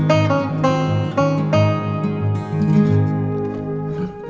aku mau itu dok